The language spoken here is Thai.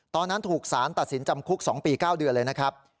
ตอนนั้นถูกสารตัดสินจำคุก๒ปี๙เดือนเลยนะครับ